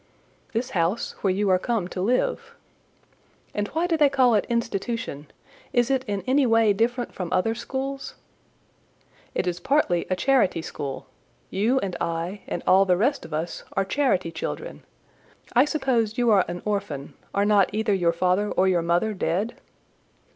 "This house where you are come to live." "And why do they call it Institution? Is it in any way different from other schools?" "It is partly a charity school: you and I, and all the rest of us, are charity children. I suppose you are an orphan: are not either your father or your mother dead?"